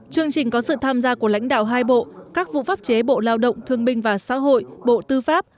chương trình có sự tham gia của lãnh đạo hai bộ các vụ pháp chế bộ lao động thương binh và xã hội bộ tư pháp